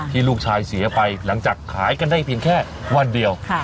ลูกชายเสียไปหลังจากขายกันได้เพียงแค่วันเดียว